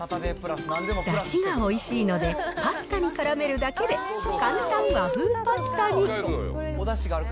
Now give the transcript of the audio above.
だしがおいしいので、パスタにからめるだけで簡単和風パスタに。